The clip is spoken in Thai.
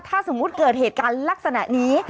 ถ้าสมมุติเกิดเหตุการณ์ลักษณะนี้